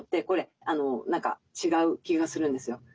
これ何か違う気がするんですよ。